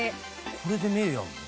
これで目やるの！？